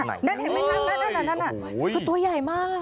นั่นเห็นไหมคะนั่นคือตัวใหญ่มาก